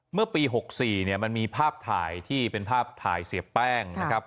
เมื่อปี๖๔เนี่ยมันมีภาพถ่ายที่เป็นภาพถ่ายเสียแป้งนะครับ